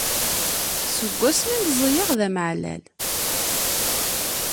Seg wami i meẓẓiyeɣ, d amaɛlal.